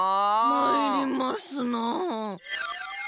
まいりますなあ。